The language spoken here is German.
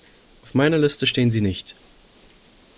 Auf meiner Liste stehen Sie nicht.